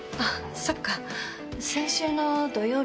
そっか。